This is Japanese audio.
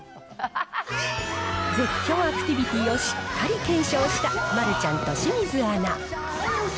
絶叫アクティビティーをしっかり検証した丸ちゃんと清水アナ。